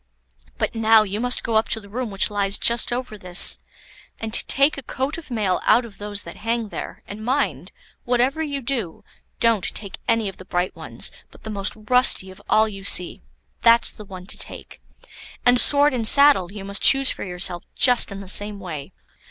But now you must go up to the room which lies just over this, and take a coat of mail out of those that hang there; and mind, whatever you do, don't take any of the bright ones, but the most rusty of all you see, that's the one to take; and sword and saddle you must choose for yourself just in the same way."